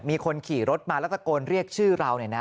มีคนขี่รถมาแล้วตะโกนเรียกชื่อเราเนี่ยนะ